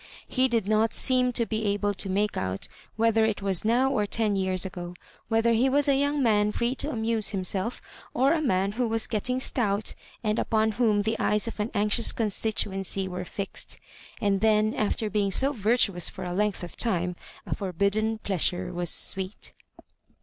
He did not seem to be able to make out whether it was now or ten years ago— whether he was a young man free to amuse himself, or a man who was gettmg stout, and upon whom the eyes of an anxious constituency were fixed. And then, after being so virtuous for a length of time, a forbidden pleasure was sweet.